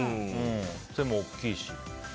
背も大きいし。